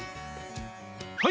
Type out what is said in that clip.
はい！